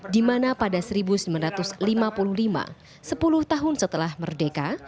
di mana pada seribu sembilan ratus lima puluh lima sepuluh tahun setelah merdeka